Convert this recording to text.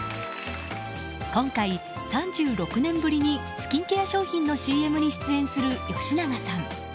今回、３６年ぶりにスキンケア商品のＣＭに出演する吉永さん。